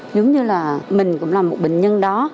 giống như là mình cũng là một bệnh nhân đó